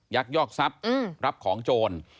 ยักยอกทรัพย์รับของโจร